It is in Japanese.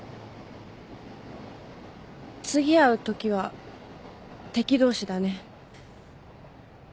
次会うときは敵同士だね。